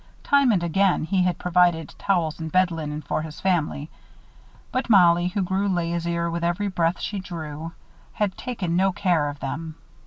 Time and again he had provided towels and bed linen for his family; but Mollie, who grew lazier with every breath she drew, had taken no care of them.